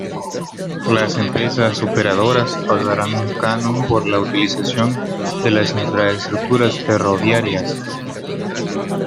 Las empresas operadoras pagarán un canon por la utilización de las infraestructuras ferroviarias.